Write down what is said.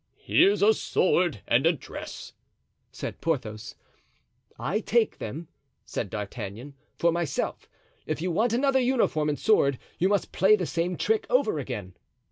"Here's a sword and a dress," said Porthos. "I take them," said D'Artagnan, "for myself. If you want another uniform and sword you must play the same trick over again.